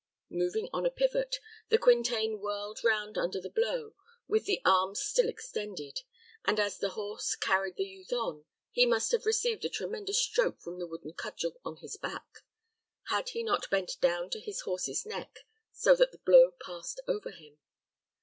Moving on a pivot, the Quintain whirled round under the blow, with the arms still extended, and, as the horse carried the youth on, he must have received a tremendous stroke from the wooden cudgel on his back, had he not bent down to his horse's neck, so that the blow passed over him.